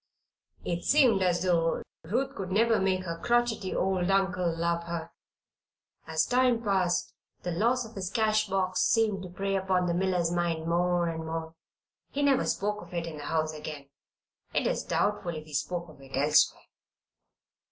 It seemed as though Ruth could never make her crotchety old uncle love her. As time passed, the loss of his cash box seemed to prey upon the miller's mind more and more. He never spoke of it in the house again; it is doubtful if he spoke of it elsewhere.